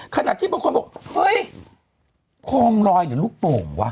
ขนาดที่บางคนบอกเฮ้ยโครมลอยอยู่ลูกโป่งวะ